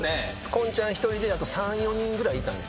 今ちゃん１人であと３４人ぐらいいたんですよ。